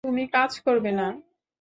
তুমি কাজ করবে না?